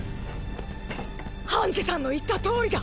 ハンジさんの言ったとおりだ。